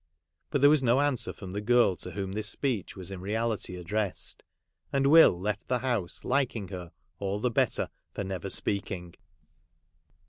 But there was no answer from the girl to whom this speech was in reality addressed ; and Will left the house liking her all the better for never speaking.